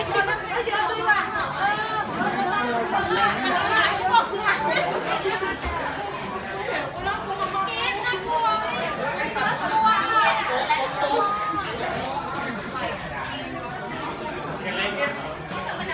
ตั้งแต่๑ชั่วและการจัดเงินกับหุ้นและวิธีรัมนีสรุปโคตรอุดแห่งการแสงของำลังช่วยในช่วยแบบนั้น